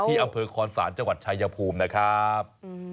อำเภอคอนศาลจังหวัดชายภูมินะครับ